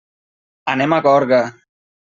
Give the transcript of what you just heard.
Anem a Gorga.